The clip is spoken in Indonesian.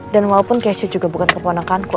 dan walaupun kezia juga bukan keponengkanku